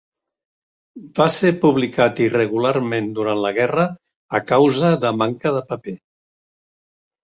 Va ser publicat irregularment durant la guerra a causa de manca de paper.